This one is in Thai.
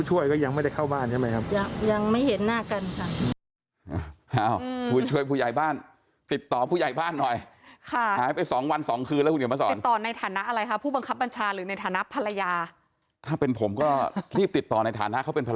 ตอนนี้คือท่านผู้ช่วยก็ยังไม่ได้เข้าบ้านใช่ไหมครับ